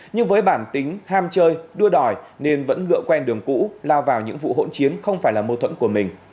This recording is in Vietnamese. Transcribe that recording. nhưng với bản tính ham chơi đua đòi nên vẫn ngựa quen đường cũ lao vào những vụ hỗn chiến không phải là mâu thuẫn của mình